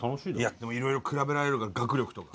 でもいろいろ比べられるから学力とか。